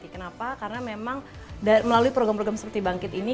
kenapa karena memang melalui program program seperti bangkit ini